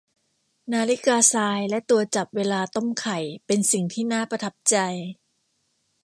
นาฬิกาทรายและตัวจับเวลาต้มไข่เป็นสิ่งที่น่าประทับใจ